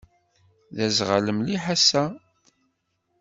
D aẓɣal mliḥ ass-a.